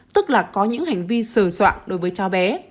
tức là có những hành vi sờ soạn đối với cháu bé